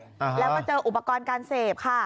อ่าแล้วก็เจออุปกรณ์การเสพค่ะ